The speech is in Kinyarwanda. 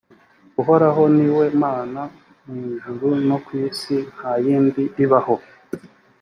uhoraho ni we mana mu ijuru no ku isi, nta yindi ibaho.